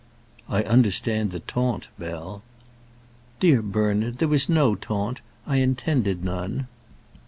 "I understand the taunt, Bell." "Dear Bernard, there was no taunt. I intended none."